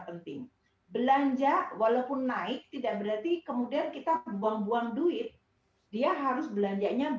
penting belanja walaupun naik tidak berarti kemudian kita buang buang duit dia harus belanjanya